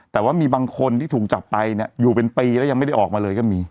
แต่ว่ามีบางคนที่ถูกจับไปเนี่ยอยู่เป็นปีแล้วยังไม่ได้ออกมาเลยก็มี